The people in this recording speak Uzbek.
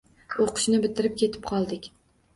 Oʻqishni bitirib ketib qoldik.